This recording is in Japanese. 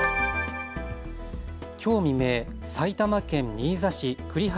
きょう未明、埼玉県新座市栗原